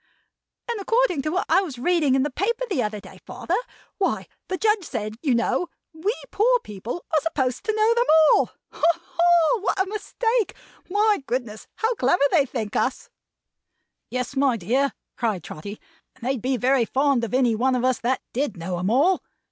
"And according to what I was reading you in the paper the other day, father; what the Judge said, you know; we poor people are supposed to know them all. Ha, ha! What a mistake! My goodness me, how clever they think us!" "Yes, my dear," cried Trotty; "and they'd be very fond of any one of us that did know 'em all.